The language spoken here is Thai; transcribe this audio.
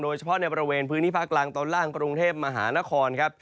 เฉพาะในบริเวณพื้นที่ภาคกลางตอนล่างกรุงเทพมหานครครับ